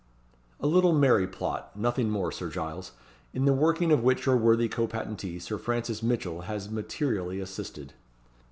"A little merry plot; nothing more, Sir Giles in the working of which your worthy co patentee, Sir Francis Mitchell, has materially assisted."